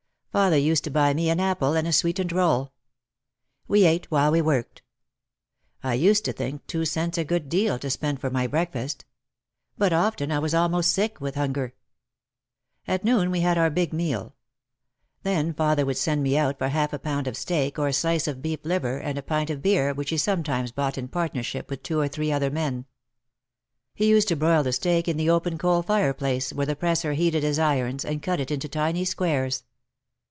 Father used to buy me an apple and a sweetened roll. We ate while we worked. I used to think two cents a good deal to spend for my break fast. But often I was almost sick with hunger. At noon we had our big meal. Then father would send me out for half a pound of steak or a slice of beef liver and a pint of beer which he sometimes bought in partnership with two or three other men. He used to broil the steak in the open coal fireplace where the presser heated his irons, and cut it into tiny squares.